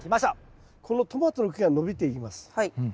このトマトの木が伸びていきます。